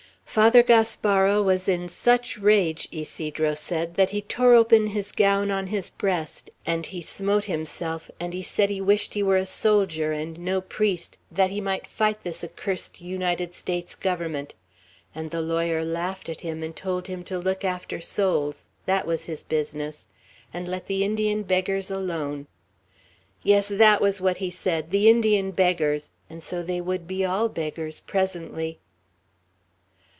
Father Gaspara was in such rage, Ysidro said, that he tore open his gown on his breast, and he smote himself, and he said he wished he were a soldier, and no priest, that he might fight this accursed United States Government; and the lawyer laughed at him, and told him to look after souls, that was his business, and let the Indian beggars alone! "Yes, that was what he said, 'the Indian beggars!' and so they would be all beggars, presently."